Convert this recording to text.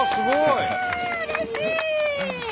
うれしい！